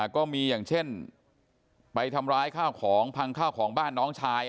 ก็มีอย่างเช่นไปทำร้ายข้าวของพังข้าวของบ้านน้องชาย